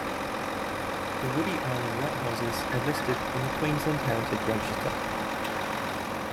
The Woody Island Lighthouses are listed on the Queensland Heritage Register.